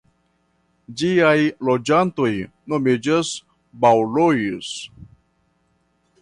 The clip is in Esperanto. Ĝiaj loĝantoj nomiĝas "Baulois".